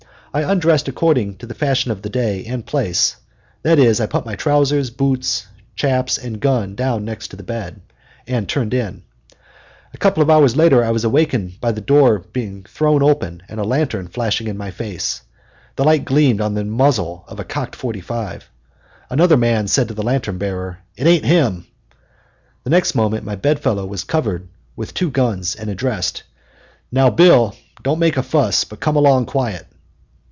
I undressed according to the fashion of the day and place, that is, I put my trousers, boots, shaps, and gun down beside the bed, and turned in. A couple of hours later I was awakened by the door being thrown open and a lantern flashed in my face, the light gleaming on the muzzle of a cocked .45. Another man said to the lantern bearer, "It ain't him"; the next moment my bedfellow was covered with two guns, and addressed, "Now, Bill, don't make a fuss, but come along quiet."